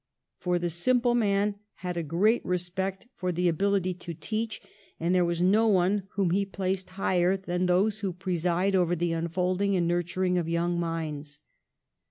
For the simple man had a great respect for the ability to teach, and there was no one whom he placed higher than 8 PASTEUR those who preside over the unfolding and nur turing of young minds.